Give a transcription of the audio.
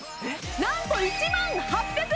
なんと１万８００